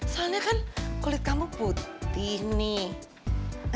soalnya kan kulit kamu putih nih